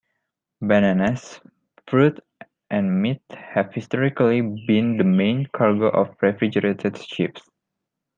Bananas, fruit and meat have historically been the main cargo of refrigerated ships.